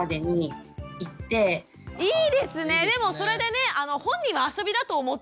いいですねでもそれでね本人はあそびだと思って。